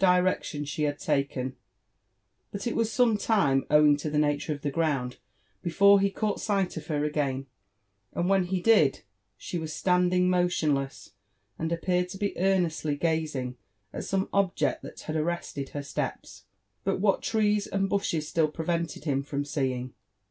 direction she had taken : but it was some time, owing to the nature of the ground before he caught sight of her again ; and when he did, she Wjas stand ing motionless, and appeared to be earnestly gazing at some object that JONATHAN JEFFERSON WHITLAW. i86 had arrested her steps, but what trees and bushes still prevented him from seeing.